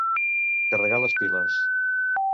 Carregar les piles.